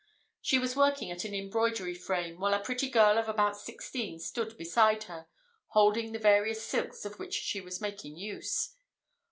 She was working at an embroidery frame, while a pretty girl of about sixteen stood beside her, holding the various silks of which she was making use.